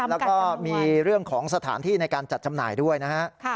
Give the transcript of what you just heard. แล้วก็มีเรื่องของสถานที่ในการจัดจำหน่ายด้วยนะฮะ